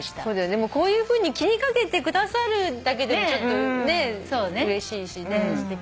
でもこういうふうに気に掛けてくださるだけでもちょっとうれしいしすてきだよね。